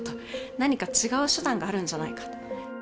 何か違う手段があるんじゃないかと。